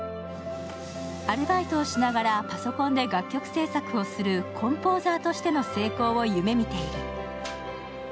アルバイトをしながら、パソコンで楽曲制作をするコンポーザーとしての成功を夢見ている。